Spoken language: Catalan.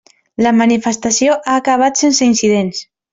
La manifestació ha acabat sense incidents.